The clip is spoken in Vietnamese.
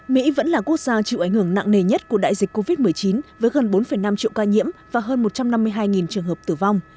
mỹ vẫn là quốc gia chịu ảnh hưởng nặng nề nhất của đại dịch covid một mươi chín với gần bốn năm triệu ca nhiễm và hơn một trăm năm mươi hai trường hợp tử vong